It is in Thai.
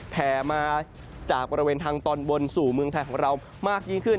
แผ่มาจากบริเวณทางตอนบนสู่เมืองไทยของเรามากยิ่งขึ้น